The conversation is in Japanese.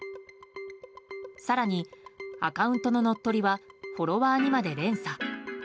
更にアカウントの乗っ取りはフォロワーにまで連鎖。